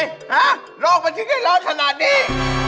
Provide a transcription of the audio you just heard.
หยาดโรคมันชั่นแยะร้อนขนาดนี้